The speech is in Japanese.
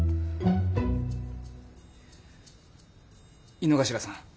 井之頭さん。